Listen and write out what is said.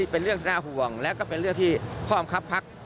เป็นเรื่องที่หน้าห่วงและก็เป็นเรื่องที่ความคับภักดิ์